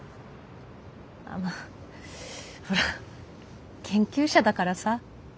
あまあほら研究者だからさ。